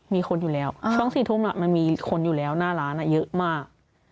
มีคนอยู่แล้วช่วง๔ทุ่มมันมีคนอยู่แล้วหน้าร้านเยอะมาก